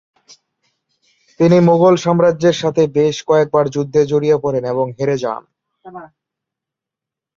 তিনি মুঘল সাম্রাজ্যের সাথে বেশ কয়েকবার যুদ্ধে জড়িয়ে পড়েন এবং হেরে যান।